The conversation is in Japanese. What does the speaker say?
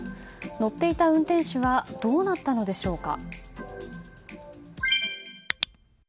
乗っていた運転手はどうなったのでしょうか。